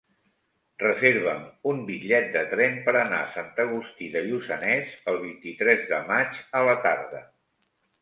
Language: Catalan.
Reserva'm un bitllet de tren per anar a Sant Agustí de Lluçanès el vint-i-tres de maig a la tarda.